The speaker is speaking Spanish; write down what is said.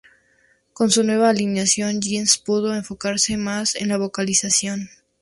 Con su nueva alineación Jens pudo enfocarse más en la vocalización.